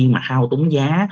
mà hao túng giá